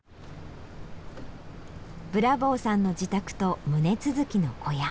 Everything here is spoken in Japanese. ブラボーさんの自宅と棟続きの小屋。